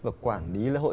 và quản lý lễ hội